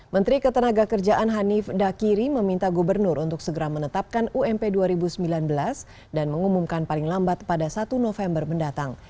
menteri ketenaga kerjaan hanif dakiri meminta gubernur untuk segera menetapkan ump dua ribu sembilan belas dan mengumumkan paling lambat pada satu november mendatang